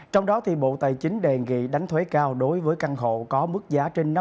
trong đó bộ tài chính đề nghị đánh thuế cao đối với căn hộ có mức giá trên năm mươi triệu đồng mỗi m hai